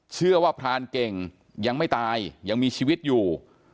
เชื่อว่าพรานเก่งยังไม่ตายยังมีชีวิตอยู่